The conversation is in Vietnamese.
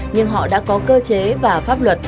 nhưng họ đã có cơ chế và pháp luật